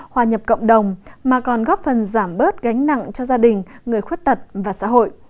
hòa nhập cộng đồng mà còn góp phần giảm bớt gánh nặng cho gia đình người khuyết tật và xã hội